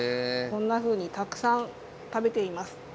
こんなふうにたくさん食べています。